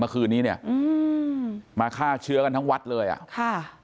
เมื่อคืนนี้เนี้ยอืมมาฆ่าเชื้อกันทั้งวัดเลยอ่ะค่ะ